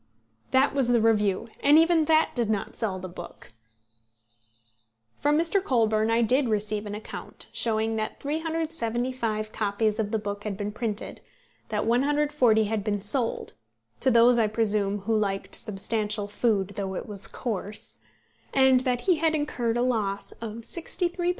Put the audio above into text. '" That was the review, and even that did not sell the book! From Mr. Colburn I did receive an account, showing that 375 copies of the book had been printed, that 140 had been sold, to those, I presume, who liked substantial food though it was coarse, and that he had incurred a loss of £63, 10s.